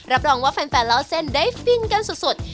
รับรองว่าแฟนเล่าเส้นได้ฟินกันสุด